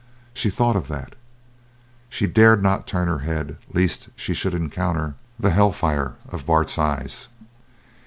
She thought of that she dared not turn her head lest she should encounter the hellfire of Bart's eyes.